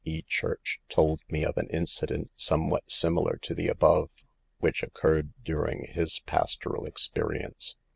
E. church told me of an incident somewhat similar to the above, which occurred during his pastoral experience.